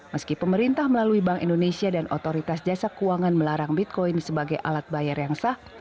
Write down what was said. meski pemerintah melalui bank indonesia dan otoritas jasa keuangan melarang bitcoin sebagai alat bayar yang sah